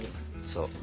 そう。